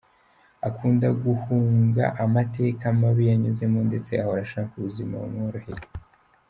Akunda guhunga amateka mabi yanyuzemo ndetse ahora ashaka ubuzima bumworoheye.